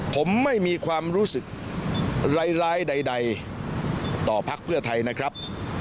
ผมไม่มีความรู้สึกร้ายใดต่อพักเพื่อไทยนะครับ